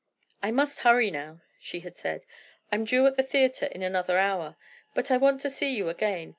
"I must hurry now," she had said, "I'm due at the theatre in another hour; but I want to see you again.